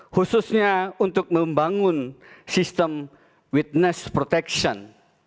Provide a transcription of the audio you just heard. khususnya untuk membangun sistem witness protection